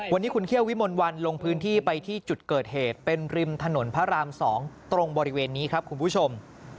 วันนี้คุณเคี่ยววิมลวันลงพื้นที่ไปที่จุดเกิดเหตุเป็นริมถนนพระราม๒ตรงบริเวณนี้ครับคุณผู้ชม